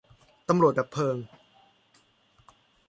ตำรวจดับเพลิง